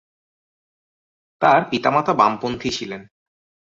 তার পিতামাতা বামপন্থী ছিলেন।